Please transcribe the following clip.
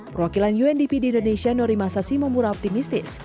perwakilan undp di indonesia nori masashi memura optimistis